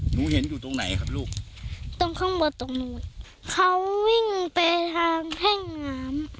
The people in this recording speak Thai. หนูเห็นอยู่ตรงไหนครับลูกตรงข้างบนตรงนู้นเขาวิ่งไปทางแท่งน้ำ